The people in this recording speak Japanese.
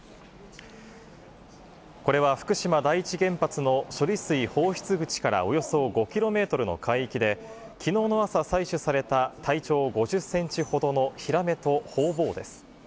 これは福島第一原発の処理水放出口からおよそ５キロメートルの海域で、きのうの朝、採取された体長５０センチほどのヒラメとホウボウです。